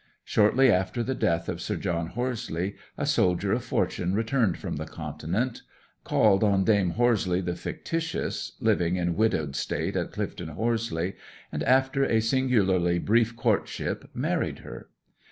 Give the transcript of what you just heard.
Shortly after the death of Sir John Horseleigh, a soldier of fortune returned from the Continent, called on Dame Horseleigh the fictitious, living in widowed state at Clyfton Horseleigh, and, after a singularly brief courtship, married her.